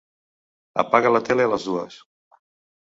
Apaga la tele a les dues.